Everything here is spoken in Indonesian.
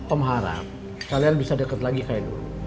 om harap kalian bisa deket lagi kayak dulu